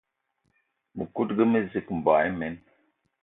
Mëkudgë mezig, mboigi imen